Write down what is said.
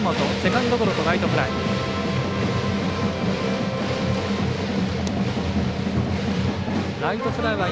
セカンドゴロとライトフライ。